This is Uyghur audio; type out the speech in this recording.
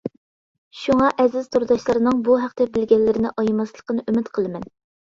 شۇڭا ئەزىز تورداشلارنىڭ بۇ ھەقتە بىلگەنلىرىنى ئايىماسلىقىنى ئۈمىد قىلىمەن.